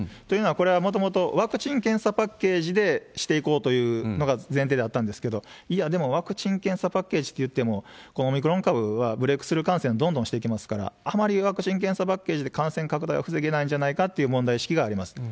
というのは、これはもともとワクチン・検査パッケージでしていこうというのが前提だったんですけれども、いや、でもワクチン・検査パッケージっていっても、このオミクロン株は、ブレークスルー感染どんどんしていきますから、あまりワクチン・検査パッケージで感染拡大を防げないんじゃないかっていう問題意識があります。